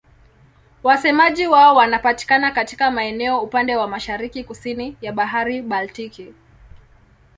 Wasemaji wao wanapatikana katika maeneo upande wa mashariki-kusini ya Bahari Baltiki.